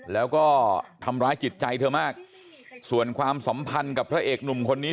แล้วก็ทำร้ายจิตใจเธอมากส่วนความสัมพันธ์กับพระเอกหนุ่มคนนี้